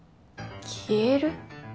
消える？